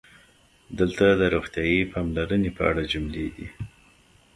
دلته د "روغتیايي پاملرنې" په اړه جملې دي: